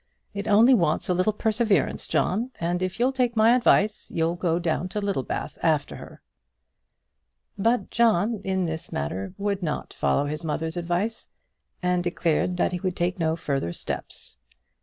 It only wants a little perseverance, John, and if you'll take my advice, you'll go down to Littlebath after her." But John, in this matter, would not follow his mother's advice, and declared that he would take no further steps.